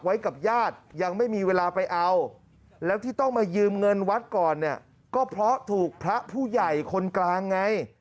วัดก่อนเนี่ยก็เพราะถูกพระผู้ใหญ่คนกลางไง